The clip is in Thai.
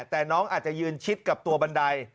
แต่น้องอาจจะยืนชิดกับตัวบันได